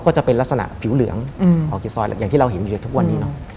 ก็จะเป็นลักษณะผิวเหลืองออกจากซอยอย่างที่เราเห็นอยู่ในทุกวันนี้เนอะ